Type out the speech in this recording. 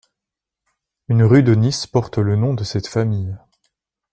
Une rue de Nice porte le nom de cette famille.